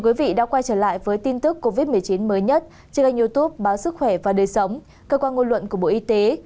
quý vị đã quay trở lại với tin tức covid một mươi chín mới nhất trên kênh youtube báo sức khỏe và đời sống cơ quan ngôn luận của bộ y tế